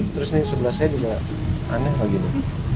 terus ini sebelah saya juga aneh apa gitu